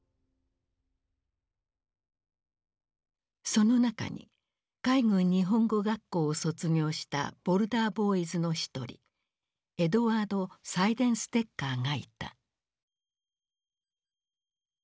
その中に海軍日本語学校を卒業したボルダー・ボーイズの一人エドワード・サイデンステッカーがいた。